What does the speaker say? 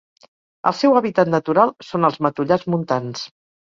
El seu hàbitat natural són els matollars montans.